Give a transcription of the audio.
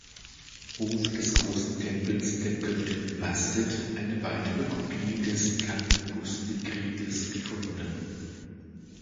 Hof des Großen Tempels der Göttin Bastet eine weitere Kopie des Kanopus-Dekretes gefunden.